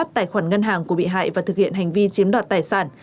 tài khoản ngân hàng của bị hại và thực hiện hành vi chiếm đoạt tài sản